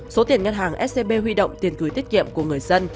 số tiền ngân hàng scb huy động tiền gửi tiết kiệm của người dân